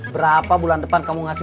berapa bulan depan kamu ngasih